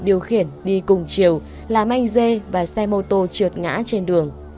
điều khiển đi cùng chiều làm anh dê và xe mô tô trượt ngã trên đường